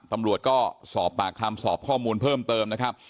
ตำรวจก็สอบปากคำสอบข้อมูลเพิ่มเติมนะครับ